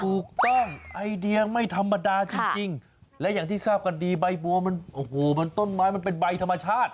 ถูกต้องไอเดียไม่ธรรมดาจริงและอย่างที่ทราบกันดีใบบัวมันโอ้โหมันต้นไม้มันเป็นใบธรรมชาติ